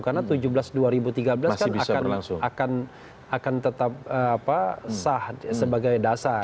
karena tujuh belas dua ribu tiga belas kan akan tetap sah sebagai dasar